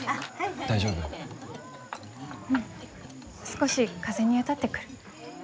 少し風に当たってくる。